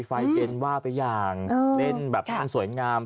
ฟ้ายเก็นว่าไปอย่างเล่นแบบทานสวยงาม